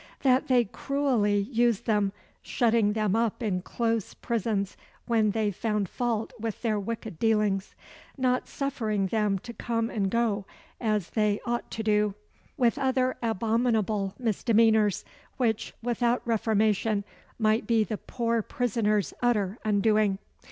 That they cruelly used them, shutting them up in close prisons when they found fault with their wicked dealings; not suffering them to come and go as they ought to do; with other abominable misdemeanours, which, without reformation, might be the poor prisoners' utter undoing."